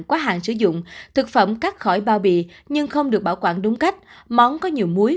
quá hạn sử dụng thực phẩm cắt khỏi bao bì nhưng không được bảo quản đúng cách món có nhiều muối